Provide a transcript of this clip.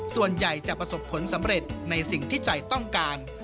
ส่วนใหญ่จะประสบผลสำเร็จในสิ่งที่ใจต้องการ